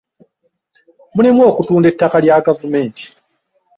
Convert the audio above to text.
Mulimu okutunda ettaka lya gavumenti